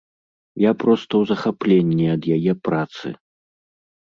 Я проста ў захапленні ад яе працы!